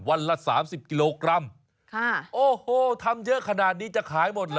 ละสามสิบกิโลกรัมค่ะโอ้โหทำเยอะขนาดนี้จะขายหมดเหรอ